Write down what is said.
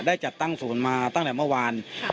ได้จัดตั้งศูนย์มาตั้งแต่เมื่อวาน